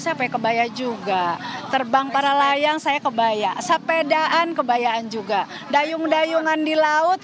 sampai kebaya juga terbang para layang saya kebaya sepedaan kebayaan juga dayung dayungan di laut